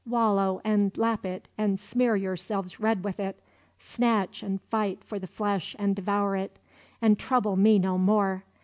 Wallow and lap it and smear yourselves red with it! Snatch and fight for the flesh and devour it and trouble me no more!